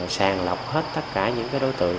sàng lọc hết tất cả những cái đối tượng